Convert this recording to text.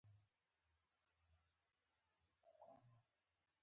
د افغانستان په منظره کې سیلاني ځایونه ښکاره دي.